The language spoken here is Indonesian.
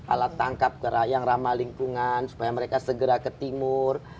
alat tangkap kera yang ramah lingkungan supaya mereka segera ke timur